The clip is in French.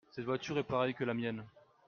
Cette voiture est pareille que la mienne.